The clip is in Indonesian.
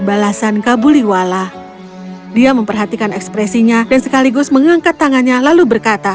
balasan kabuliwala dia memperhatikan ekspresinya dan sekaligus mengangkat tangannya lalu berkata